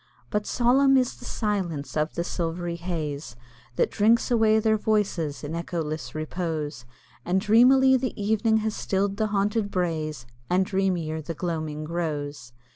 But solemn is the silence of the silvery haze That drinks away their voices in echoless repose, And dreamily the evening has still'd the haunted braes, And dreamier the gloaming grows.